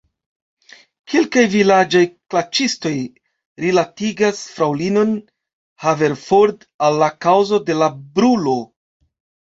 Kelkaj vilaĝaj klaĉistoj rilatigas fraŭlinon Haverford al la kaŭzo de la brulo.